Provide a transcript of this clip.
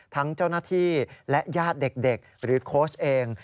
ทั้งเจ้าหน้าที่และญาติเด็กหรือโค้ชเอง